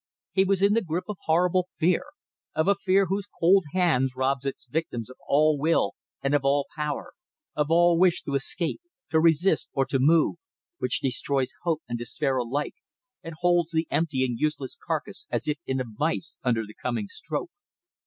He was in the grip of horrible fear; of a fear whose cold hand robs its victim of all will and of all power; of all wish to escape, to resist, or to move; which destroys hope and despair alike, and holds the empty and useless carcass as if in a vise under the coming stroke.